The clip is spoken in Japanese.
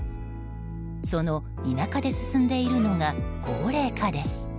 その田舎で進んでいるのが高齢化です。